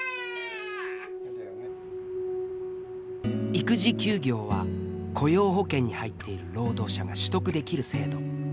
育児休業は雇用保険に入っている労働者が取得できる制度。